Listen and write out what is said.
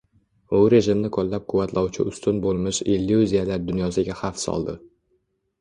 U rejimni qo‘llab-quvvatlovchi ustun bo‘lmish “illyuziyalar” dunyosiga xavf soldi